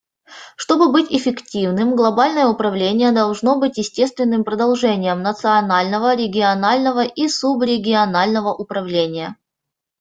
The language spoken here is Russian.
Чтобы быть эффективным, глобальное управление должно быть естественным продолжением национального, регионального и субрегионального управления.